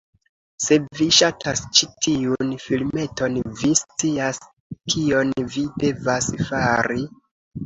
Se vi ŝatas ĉi tiun filmeton, vi scias kion vi devas fari: